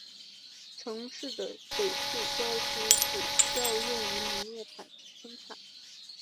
城市的北部郊区主要用于农业生产。